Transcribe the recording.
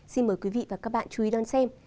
xin mời quý vị và các bạn chú ý đón xem